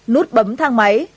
nút bấm thang máy